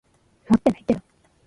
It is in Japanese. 持ってないけど。